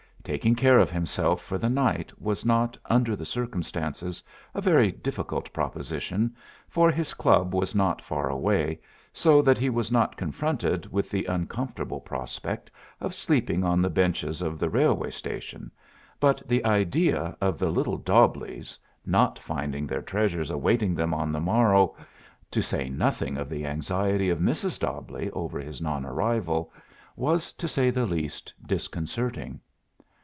Taking care of himself for the night was not, under the circumstances, a very difficult proposition, for his club was not far away, so that he was not confronted with the uncomfortable prospect of sleeping on the benches of the railway station, but the idea of the little Dobbleighs not finding their treasures awaiting them on the morrow, to say nothing of the anxiety of Mrs. Dobbleigh over his non arrival, was, to say the least, disconcerting.